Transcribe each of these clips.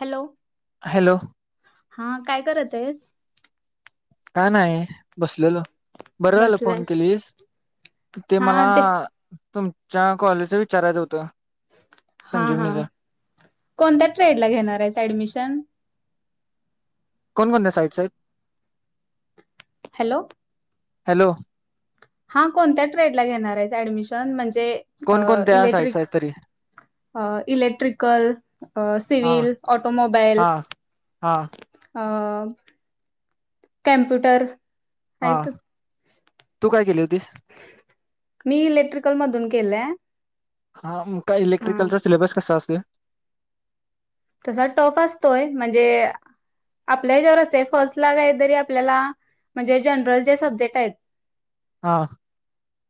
Hello hello. हा काय करत आहेस? काय नाही बसलेलो. बरं झालं फोन बसलास केलीस ते मला. तुमच्या कॉलेजच विचारायचं होतं. हा हा संजीवनीचं कोणत्या ट्रेड ला घेणार आहेस ऍडमिशन? कोण म्हणल साईड साईड हॅलो. हॅलो. हा कोणत्या ट्रेड ला घेणार आहे ऍडमिशन म्हणजे अ कोणकोणत्या साईट्स इलेक्ट्रिक आहेत तरी इलेक्ट्रिकल, सिवील, ऑटोमोबाईल. हा. अ कॅम्पुटर हाइत. हां तू काय केली होतीस? मी इलेक्ट्रिकल मधून केलंय. हा म्म काय हा इलेक्ट्रिकलचा सिलेबस कसा असतोय? तसा टफ असतोय म्हणजे आपल्या ह्यच्यावर असंतय फर्स्ट ला काहीतरी आपल्याला म्हणजे जनरल चे सब्जेक्ट हायेत? हा.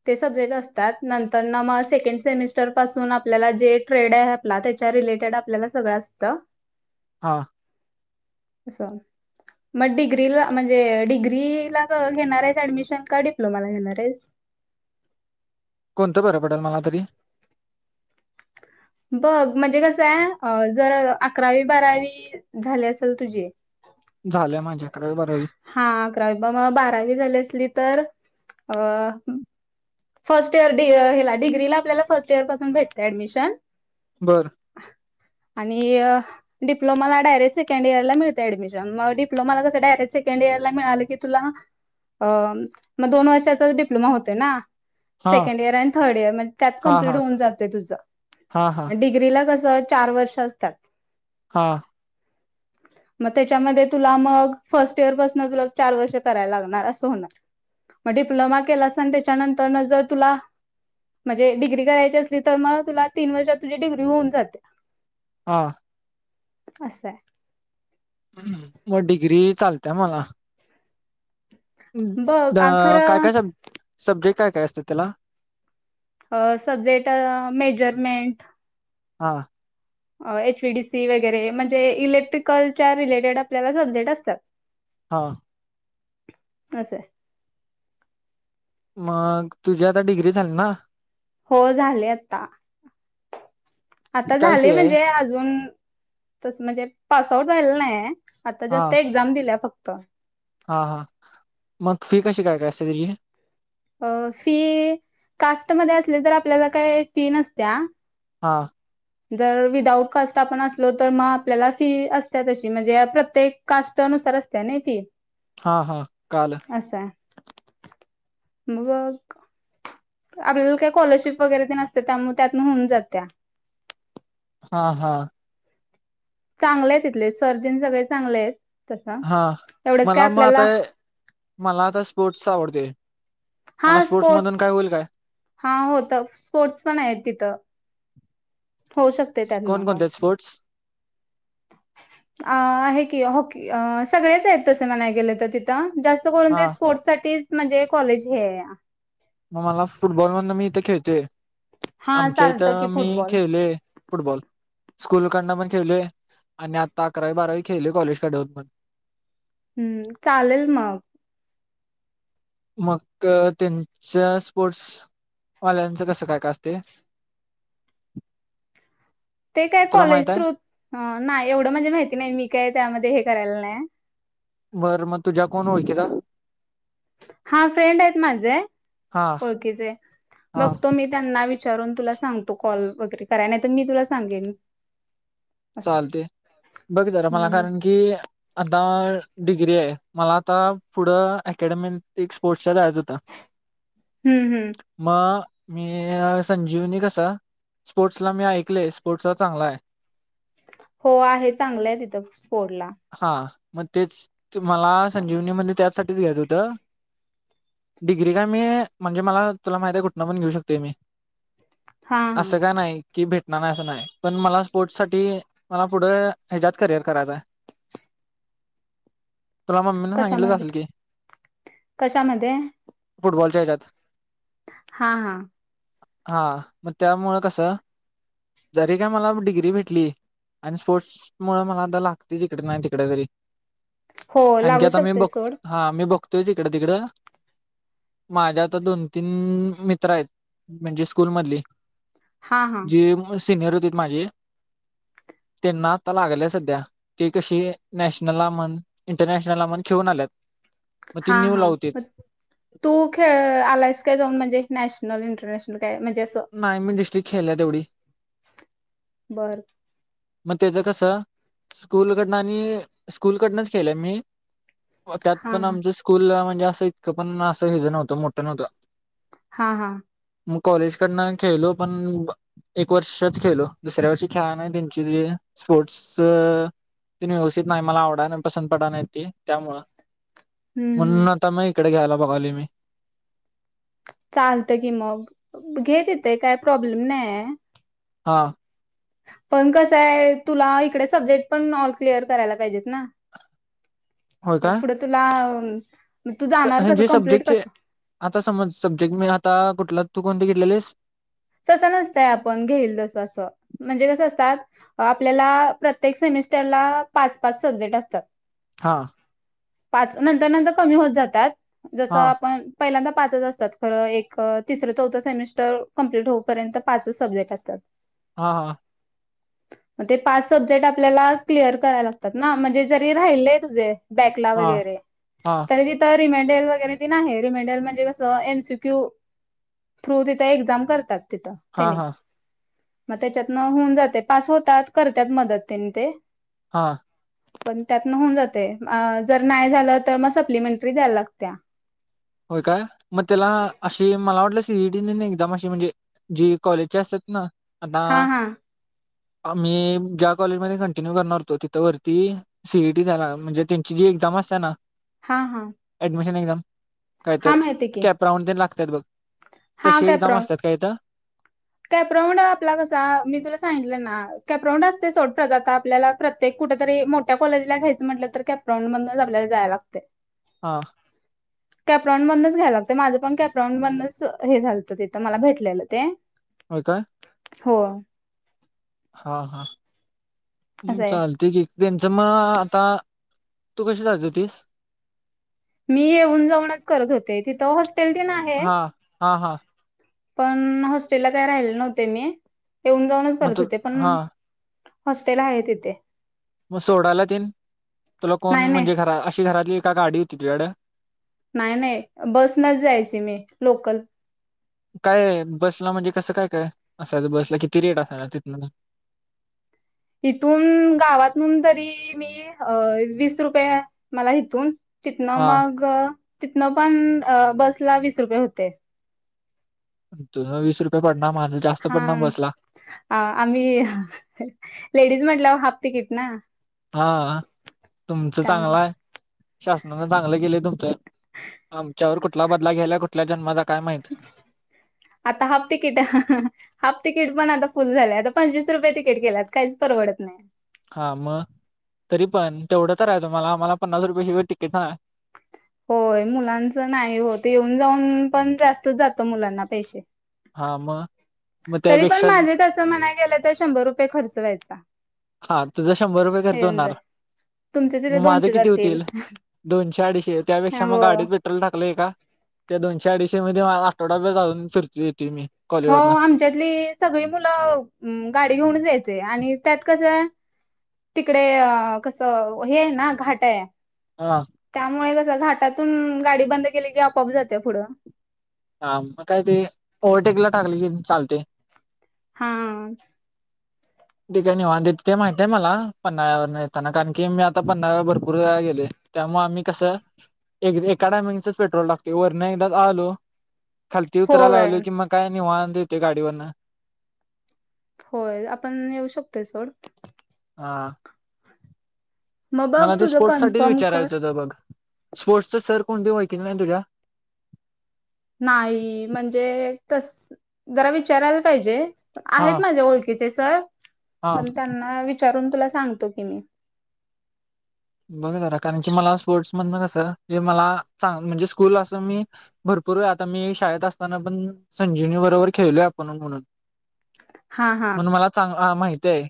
ते सब्जेक्ट असतात. नंतर मग सेकेंड सेमिस्टर पासून आपल्याला जे ट्रेड हे आपला च्या रिलेटेड आपल्या सगळं असतं. हा. असं मग डिग्रीला म्हणजे डिग्रीला घेणार आहेस ऍडमिशन का डिप्लोमाला घेणार आहेस? [inaudible] कोणतं बरं पडल मला तरी? बघ म्हणजे कसंय जर अकरावी बारावी झाली असल तुझी झालं माझ्या हा अकरावी ब म बारावी झाली असली तर अ फर्स्ट इयर हेला डिग्रीला आपल्याला फर्स्ट इयर पासून भेटतेय ऍडमिशन. बरं. आणि डप्लोमाला डायरेक्ट सेकंड इयरला मिळतय ऍडमिशन मग डिप्लोमाला कसं डायरेक्ट सेकंड इयरला मिळालं की तुला अ म दोन वर्षाचा डिप्लोमा होतोय ना. हां सेकंड ईयर आणि थर्ड ईयर त्यात हां कम्प्लीट हां होऊन जातय तुझ हां हां अ डिग्रीला च चार वर्ष असतात. हा. [unintelligible] म त्याच्यामध्ये तुला मग फर्स्ट इयर पासन तुला चार वर्ष करायला लागणार असं होणारं. मग डिप्लोमा केला अस त्याच्यानंतर न जर तुला म्हणजे डिग्री करायची असली तर, मग तुला तीन वर्षात तुझी डिग्री होऊन जाते. हा. असय. म डिग्री चालतेय मला. हं द बघ काय काय स खरं सब्जेक्ट काय काय असतं त्याला? अ सब्जेक्ट अ मेजरमेंट हा. एच वी डी सी वगैरे म्हजे इलेक्ट्रिकलच्या रिलेटेड आपल्याला सब्जेक्ट असतात. हां. असय. मग तुझी आता डिग्री झाली ना? हो झाले आत्ता, आता काय झाले फी आहे म्हंजे अजून तसं म्हणजे पास आउट व्हायला नाहीय, आता जस्ट एक्झाम दिल्या फक्तं. हां हां मग फी कशी काय काय कसे दिली? अ फी कास्टमध्ये असली तर, आपल्याला काय फी नसत्या. हा. जर विदाउट कास्ट आपण असलो तर, मग आपल्याला फी असत्या तशी म्हंजे प्रत्येक कास्ट नुसार अस्त्या नी फी. हा हा काल असं आहे मग अ आपल्याला काय कॉलरशिप वगैरे त नसत्या, त्यामुळं त्यातन होऊन जात्या. हां हां. चांगले आहेत तिथले सर जन सगळे चांगले आहेत. तसा हा एवढंच काय मला म आता आपल्याला अ मला आता स्पोर्ट्स आवडते. हा मला स्पोर्ट्स स्पोर्ट मधून काय होईल काय? हा होत स्पोर्ट्स पण आहेत तिथं. होऊ शकते त्यातन पण कोणकोणते स्पोर्ट्स अ आहे की हॉकी सगळेच आहेत, तस म्हणाय गेलं तर तिथं. जास्त करून हा ते स्पोर्ट्स साठीच म्हणजे कॉलेज हे या म मला फुटबॉल मधन मी इथे खेळतोय. हा आमच्या चालतं की इथं मी फुटबॉल खेळलोय फुटबॉल. स्कूलकडनं पण खेळले आणि आता अकरावी बारावी खेळले कॉलेज कडून पणं. हम्म चालेल मग. मग त्यांच्या स्पोर्ट्स ऑनलाईनचं कसं काय का असते? [inaudible] ते काय तुला कॉलेज माहित आहे थ्रू अ नाही एवढं म्हंजे माहिती नाही मी काय त्यामध्ये हे करेल नाय हं. बरं मग तुझ्या कोण ओळखीच? हा फ्रेंड आहेत माझे. हा ओळखीचे हा बघतो मी त्यांना विचारून तुला सांगतो. कॉल वगैरे कराय नाही त मी तुला सांगेन. असं चालते बघ जरा मला हम्म कारण की आता डिग्री आहे मला आता पुढं अकॅडमी ते स्पोर्ट लक्ष द्यायचं होतं हम्म हम्म मग मी संजीवनी कसा स्पोर्ट्सला मी ऐकलय स्पोर्ट्स चांगला आहे. हो आहे चांगलंय तिथं स्पोर्टसला. हा मग तेच मला संजीवनी मध्ये त्याचसाठीच घ्यायच होतं. डिग्री का मी म्हणजे मला तुला माहित आहे कुठनं पण घेऊ शकते मी. हा हा असं का नाही कि भेटणार नाही. असं नाही पण मला स्पोर्ट्स साठी मला पुढं हच्यात करिअर करायचं आहे. तुला मम्मीने सांगितलंच कशामध्ये असेल की, कशामध्ये फुटबॉलच्या ह्याच्यात. हा हा. हा मग त्यामुळे कस जरी काय मला डिग्री भेट ली आणि स्पोर्ट्स मूळ मला आता लागते इकडे नाही तिकडे तरी. हो आणखी लागू आता मी शकते बघ सोड हा मी बघतोयस इकडं तिकडं. माझ्या आता दोन तीन मित्र आहेत. म्हणजे स्कूल मधली हा हा जे सिनियर होते माझे. [inaudible] त्यांना आता लागलंय सध्या ते कशी नॅशनला म्हण इंटरनॅशनल म्हण खेळून आल्यात. मग ती हा न्यू ला हा होतीत तू खेळ आलायस काय जाऊन म्हणजे नॅशनल इंटरनॅशनल? काय म्हणजे असं? खेल तेवढी. बर. मग त्याचं कसं स्कूलकडनं आणि स्कूलकडनच केलं मी. त्यात हा पण हा आमच स्कूल म्हणजे असं इतकं पण असं हे ज नव्हतं मोठं नव्हतं. हा हा. मग कॉलेजकडनं खेळलो पण एक वर्षच खेळलो दुसऱ्या वर्षी खेळा नाही त स्पोर्ट्स. तेन व्यवस्थित नाही मला आवडाय नाही पसंत पडाय नाही त त्यामुळं. हम्म हम्म म्हणून आता मी इकडे घ्यायला बघा आलोय मी. चालतं की मग घे तिथे काय प्रॉब्लेम नाही हाय. हा. पण कसंय तुला इकडे सब्जेक्ट पण ऑल क्लिअर करायला पाहिजेत ना. होय मग काय पुढं तुला मग तू जाणार कसं जे कम्प्लीट सब्जेक्टचे, कसं आता समज सब्जेक्ट मी आता कुठल तू कोणते घेतलेलीस? तस नसतय आपण घेईल जस अस म्हणजे कसं असतात. आपल्याला प्रत्येक स सेमिस्टर ला पाच पाच सब्जेक्ट असतात. हा. पाच नंतर नंतर कमी होत जातात. जस हा आपण पहिल्यांदा पाच असतात खरं एक तिसरं चौथं सेमिस्टर कंप्लीट होऊपर्यंत पाच सब्जेक्ट असतात. हा हा. मग ते पाच सब्जेक्ट आपल्याला क्लिअर करायला लागतात ना म्हणजे जरी राहिले तुझे बॅकला हा वगैरे हा तर तिथ रिमेंडर वगैरे ते आहे. रिमाइंडर म्हणजे कस एम सी क्यू थ्रू तिथ एक्झाम करतात तिथं हा त्याने. हा मग त्याच्यातन होऊन जाते. पास होतात. करतात मदत त्यांने ते हा. पण त्यात न होऊन जाते. जर नाही झालं तर मग सप्लिमेंटरी द्यायला लागत्या. होय काय मग त्याला अशी मला वाटलं सीईटी न ना एक्झाम अशी म्हणजे जी कॉलेजची असतात ना हा हा. मी ज्या कॉलेजमध्ये कंटिन्यू करणार होतो तिथ वरती सीईटीला म्हणजे त्यांची जी एक्झाम असते ना हा हा ऍडमिशन एक्झाम हा काहीतर माहिती की कॅप्रोन तेन लागतात बघ. तशी एक्झाम असतात काय तर. कॅप्रोन आपला कसा मी तुला सांगितलं ना कॅप्रोन अस सोडत आता आपल्याला प्रत्येक कुठ तरी मोठ्या कॉलेजला घ्यायचं म्हटलं तर त्या कॅप्रोन मधन आपल्याला जाय लागतय. हा कॅप्रॉन मधूनच घ्यावे लागते. घ्यायला लागत माझं पण कॅप्रॉन हे झालं होत तिथं मला भेटलेलं ते होय काय? हो हा हा् असं आहे चालते क त्यांचं मग आता तू कशी जात होतिस? मी येऊन जाऊनच करत होते तिथं होस्टेल ते न आहे. हा हा हा पण हॉस्टेलला काय राहिले नव्हते मी येऊन जाऊनच मग करत तू होते हा पण हॉस्टेल आहे तिथे. मग सोडायला तेन तुला नाही कोण नाही म्हणजे घरा अशी घरातली का गाडी होती तुझ्याकडे? नाही नाही बस नच जायची मी लोकल काय बसला म्हणजे कसं काय काय असायचं बसला किती रेट असायांचा तिथन [inaudible] इथून गावातून तरी मी अ वीस रुपये मला इथून तिथनं हा मग तिथनं पण बसला वीस रुपये होते वीस रुपये पाड हा आम्ही लेडीज म्हटलं हाफ तिकीट ना हा तुमचं त्यामुळे चांगलंय शासनानं चांगलं केलंय तुमचं आमच्यावर कुठला बदला घ्यायला कुठल्या जन्म चा आता हाफ तिकीटहा हा हाफ तिकीट पण आता फुल झाले आता पंचवीस रुपये तिकीट केेलात काहीच परवडत नाही हा म, तरी पण तेवढं तर आहे तुम्हाला आमला पन्नास रुपय शिवाय तिकीट नाय. होय मुलांच नाही होत येऊन जाऊन पण जास्तच जातं मुलांना पैसे हा म तरी पण माझे तस म्हणाय गेलं तर शंभर रुपये खर्च व्हायचा. हा, तुझं शंभर रुपये खर्च येऊन जाय होणार. तुमचे तिथे मग माझं दोनशे किती जातील होतील हा हा दोनशे अडीचशे त्यापेक्षा मग गाडीत पेट्रोल टाकलंय का? त्या दोनशे अडीचशे मध्ये आठवडा्या जाऊन फिरती येतो मी हो कॉलेजवरनं आमच्यातली सगळी मुलं गाडी घेऊनच यायच आणि त्यात कसं तिकडे कस हे आहे ना घाट आहे हा त्यामुळे कसे घाटातून गाडी बंद केली की आपोआप जाते पुढं हा मग काय ते ओव्हरटेकला टाकले की चालते हा तेी काही निवांत देत ते माहितय मला पन्हाळ्यावरून न येताना कारण की मी आता पन्हाळ्यावर भरपूर गेलोय. त्यामुळं आम्ही कसं एक एका टायमगीच पेट्रोल लागतो वरण एकदा आलो खालती उतरायला होय की कि मग काय निवांत येत गाडीवरून होय आपण येऊ शकतोय सोड हा मग बघ मला ते तुझं स्पोर्ट्स साठीच कन्फर्म कर विचारायचं होत बघ स्पोर्ट्सचा सर कोण ओळखीचे नाहीत का तुझ्या? नाही म्हणजे तस जरा विचारायला पाहिजे हा आहेत माझ्या ओळखीचे सर हा पण त्यांना विचारून तुला सागते सांगतो की मी बघ जरा कारण की मला स्पोर्टस मधन कसे जरा मला चांगल म्हणजे स्कूल अस मी भरपूर आता मी शाळेत असताना पण संजीवनी बरोबर खेळलोय आपण म्हणून [inaudible] हा म्हणून माल चांगल माहती आहे.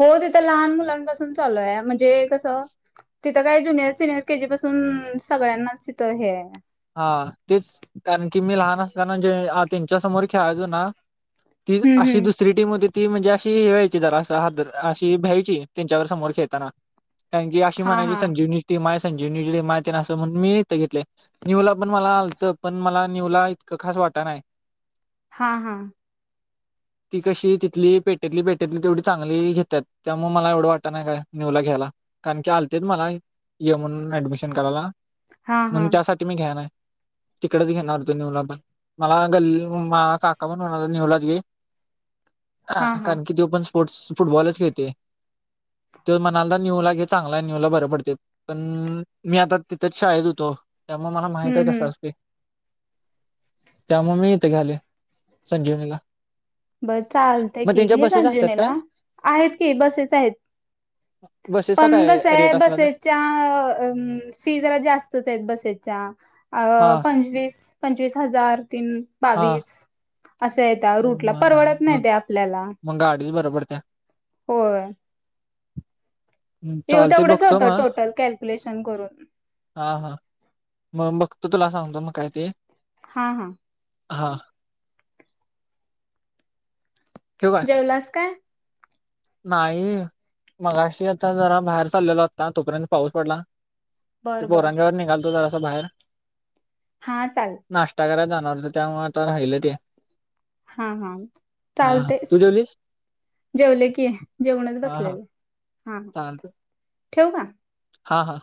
हो तेिथ लहान मुलांपासून चालूय म्हणजे कसं तिथं काय ज्युनियर सिनियर के जी पासून सगळ्यांनाच तिथं हे हा तेच कारण की मी लहान असताना जे त्यांच्या समोर खेळायजो ना ती हम्म अशी हम्म दुसरी टीम होती ती म्हणजे अशी हेवा्हाय ची जरा हद अशी भ्यायची त्यांच्यावर समोर खेळताना कारण की अशी हा म्हणायची हा संजीवनी टी मा आहे संजीवनी माय ना असं म्हणून मी न घेतले न्यू ला पण मला आलत पण मला न्यू ला इतकं खास वाटण हा हा ती कशी तिथली पेटेतली पेटेतली तेवढी चांगली घेतात त्यामुळे मला एवढं वाटत नाही काय न्यूला घ्यायला कारण की आलते मला यएम म्हणून ऍडमिशन करायला हा हा ना तिकडेच घेणार होतो नूला पण मला गल्ली मा काका पण होणार नूलाच घे हा हा कारण की त पण स्पोर्ट्स फुटबॉलच खेळते त म्हणाला न्यू लागे चांगला न्यू ला बर पडते पण मी आता तिथेच शाळेत होतो त्यामुळे मला माहती हम्म आहे का हम्म सस् की त्यामुळे मी इथे घ्याले संजीवनीला बस चाल ते मग की त्यांच्या घे चालतय बसेस असतात संजीवनी का ल आहेत की बसेच आहेत बसेसचा पण काय कस आहे रेट असला तर बसेच्या फी जरा जास्तच आहेत बसेच्या अ हा पंचवीस पंचवीस हजार तीन बावीस असं येत रूटला म आहे परवडत नाही मग ते मग गाडीच बरोबर त्या हो हम् चालते बघतो म होतं टोटल कॅल्क्युलेशन करून. हा हा मग बघ तो तुला सांगतो मग काय ते हा हा हा ठेवू काय जेवलास काय नाही मगाशी आता जरा बाहेर चाललेला होता तोपर्यंत पाऊस पडला ते बर बर. पोरांच्यावर निघालतो जरासा बाहेर हा चालेल नाश्ता करायला जाणार त्यामुळे आता राहिलं ते हा हा हा हा चालते तू जेवलीस जेवले की जेवणच हा हा बसलेलं हा चालतं ठेवू का हा हा